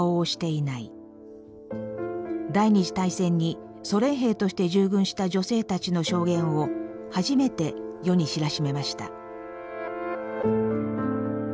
第２次大戦にソ連兵として従軍した女性たちの証言を初めて世に知らしめました。